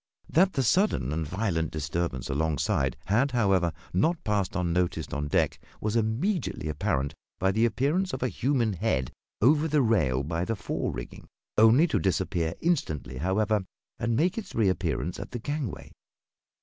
That the sudden and violent disturbance alongside had, however, not passed unnoticed on deck was immediately apparent by the appearance of a human head over the rail by the fore rigging, only to disappear instantly, however, and make its reappearance at the gangway.